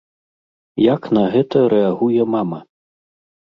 Як на гэта рэагуе мама?